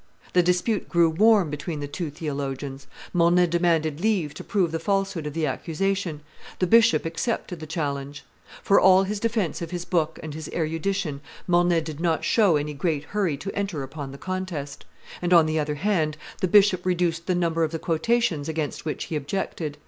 The dispute grew warm between the two theologians; Mornay demanded leave to prove the falsehood of the accusation; the bishop accepted the challenge. For all his defence of his book and his erudition, Mornay did not show any great hurry to enter upon the contest; and, on the other hand, the bishop reduced the number of the quotations against which he objected.